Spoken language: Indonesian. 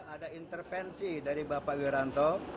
ada intervensi dari bapak wiranto